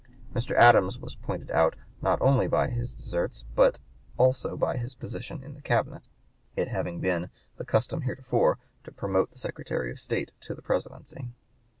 Mr. Adams was pointed out not only by his deserts but also by his position in the Cabinet, it having been the custom heretofore to promote the Secretary of State to the Presidency.